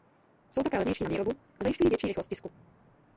Jsou také levnější na výrobu a zajišťují větší rychlost tisku.